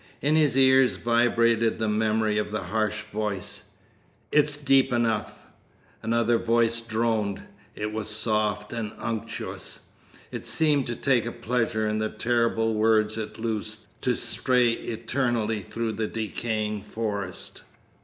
In his ears vibrated the memory of the harsh voice: "It's deep enough!" Another voice droned. It was soft and unctuous. It seemed to take a pleasure in the terrible words it loosed to stray eternally through the decaying forest.